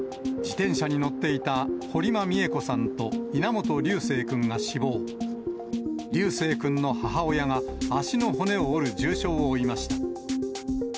自転車に乗っていた堀間美恵子さんと稲本琉正くんが死亡、琉正くんの母親が足の骨を折る重傷を負いました。